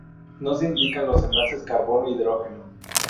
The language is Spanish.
No se indican los enlaces carbono-hidrógeno.